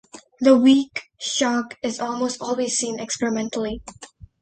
The weak shock is almost always seen experimentally.